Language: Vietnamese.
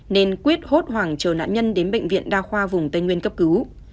nên quyết hốt hoảng chờ nạn nhân đến bệnh viện đa khoa vùng tây nguyên cấp cứu